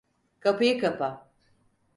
Kapıyı kapa!